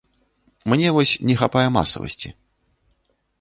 Мне вось не хапае масавасці.